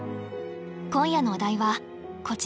今夜のお題はこちら。